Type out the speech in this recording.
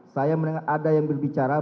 saya mendengar ada yang berbicara